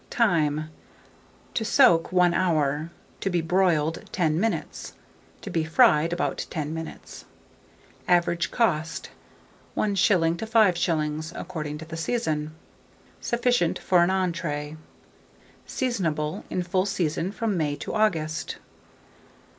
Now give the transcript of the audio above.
Time. To soak 1 hour, to be broiled 10 minutes, to be fried about 10 minutes. Average cost, 1s. to 5s., according to the season. Sufficient for an entrée. Seasonable. In full season from May to August.